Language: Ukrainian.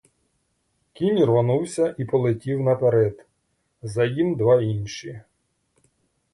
Кінь рвонувся і полетів наперед, за їм два інші.